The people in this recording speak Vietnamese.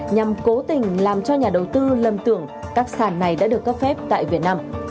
nhằm cố tình làm cho nhà đầu tư lầm tưởng các sản này đã được cấp phép tại việt nam